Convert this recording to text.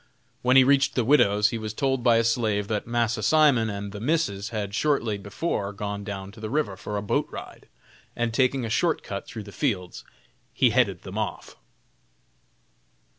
When he reached the widow's he was told by a slave that "Massa Simon" and the "Missus" had shortly before gone down the river for a boat ride, and taking a short cut through the fields he headed them off.